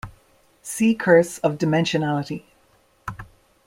See curse of dimensionality.